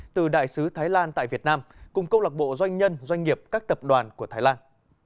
từ đại sứ thái lan tại việt nam cùng công lạc bộ doanh nhân doanh nghiệp các tập đoàn của thái lan